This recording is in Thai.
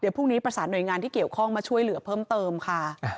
พรุ่งนี้ประสานหน่วยงานที่เกี่ยวข้องมาช่วยเหลือเพิ่มเติมค่ะ